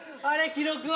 記録は？